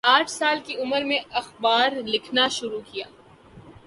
آٹھ سال کی عمر میں اخبار میں لکھنا شروع کیا